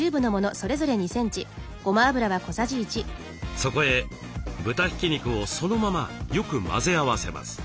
そこへ豚ひき肉をそのままよく混ぜ合わせます。